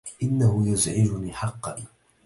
إنه يزعجني حقا.